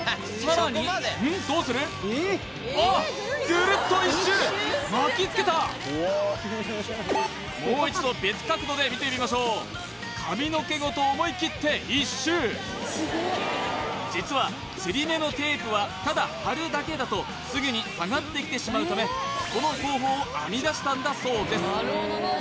ぐるっと一周巻きつけたもう一度別角度で見てみましょう髪の毛ごと思い切って一周実はつり目のテープはただ貼るだけだとすぐに下がってきてしまうためこの方法を編み出したんだそうです